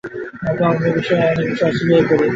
আমি অল্প বিষয় নিয়ে অনেক বেশি অস্থির হয়ে পরি।